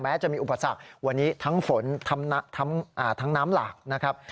จะมีอุปสรรควันนี้ทั้งฝนทั้งน้ำหลากนะครับ